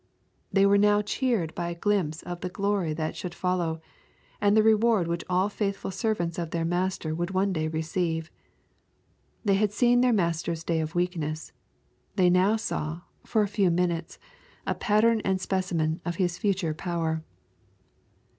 They were now cheered by a glimpse of the " glory that should follow/' and the reward which all faithful servants of their Master would one day receive. They had seen their Master's day of weakness. They now saw, for a few minutes, a pattern and specimen of His future power.